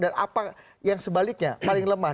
dan apa yang sebaliknya paling lemah